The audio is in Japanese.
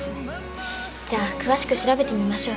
じゃあ詳しく調べてみましょう。